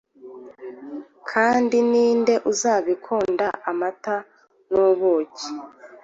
kandi ni nde uzabikunda Amata n'ubuki?